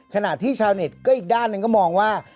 ขณะที่ชาวเน็ตก็อีกด้านหนึ่งก็มองว่า